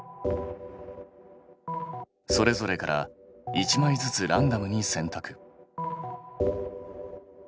それぞれから１枚ずつランダムに選択。